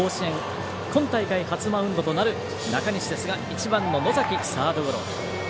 今大会初マウンドとなる中西ですが１番の野崎、サードゴロ。